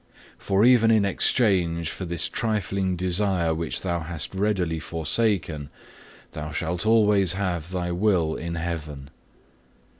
For even in exchange for this trifling desire which thou hast readily forsaken, thou shalt always have thy will in Heaven.